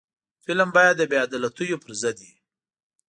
فلم باید د بې عدالتیو پر ضد وي